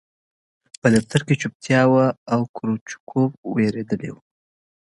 په دفتر کې چوپتیا وه او کروچکوف وېرېدلی و